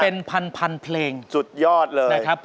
เป็นพันเพลงนะครับผมสุดยอดเลย